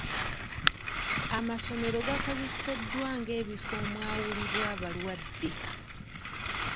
Amasomero gakozeseddwa ng'ebifo omwawulibwa abalwadde.